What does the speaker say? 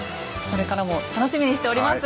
これからも楽しみにしております。